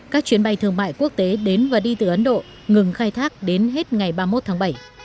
các chuyến bay thương mại quốc tế đến và đi từ ấn độ ngừng khai thác đến hết ngày ba mươi một tháng bảy